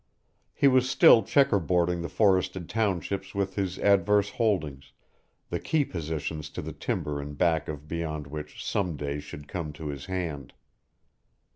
He was still checker boarding the forested townships with his adverse holdings the key positions to the timber in back of beyond which some day should come to his hand.